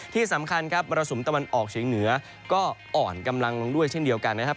ที่สำคัญครับมรสุมตะวันออกเฉียงเหนือก็อ่อนกำลังลงด้วยเช่นเดียวกันนะครับ